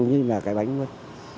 như là cái bánh mất